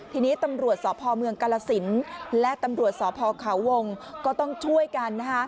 ทีนี้ตำรวจสพเมืองกาลสินและตำรวจสพเขาวงก็ต้องช่วยกัน